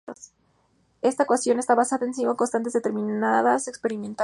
Esta ecuación está basada en cinco constantes determinadas experimentalmente.